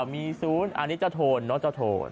นี่แหละค่ะอะไรเนี้ย